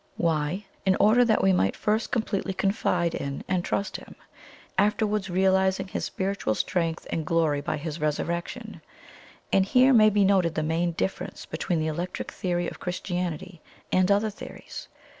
Why? In order that we might first completely confide in and trust Him, afterwards realizing His spiritual strength and glory by His resurrection. And here may be noted the main difference between the Electric Theory of Christianity and other theories.